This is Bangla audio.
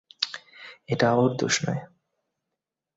এটা ওর দোষ নয়।